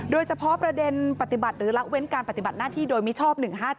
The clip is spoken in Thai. โดยเฉพาะประเด็นปฏิบัติหรือละเว้นการปฏิบัติหน้าที่โดยมิชอบ๑๕๗